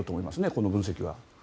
この分析は。